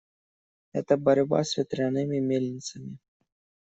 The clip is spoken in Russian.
Это борьба с ветряными мельницами.